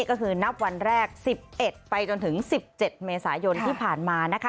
ก็คือนับวันแรก๑๑ไปจนถึง๑๗เมษายนที่ผ่านมานะคะ